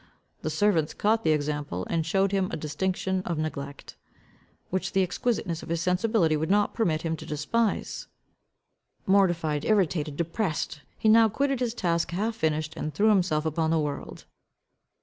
The servants caught the example, and showed him a distinction of neglect, which the exquisiteness of his sensibility would not permit him to despise. Mortified, irritated, depressed, he now quitted his task half finished and threw himself upon the world.